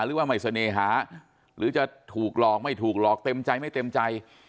หรือว่าไม่เสน่หาหรือจะถูกหลอกไม่ถูกหลอกเต็มใจไม่เต็มใจ